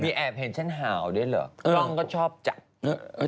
ไม่ห่าวด้วยเหรอกล้องก็ชอบจัด